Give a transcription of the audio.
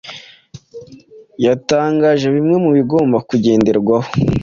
yatangaje bimwe mu bigomba kugenderwaho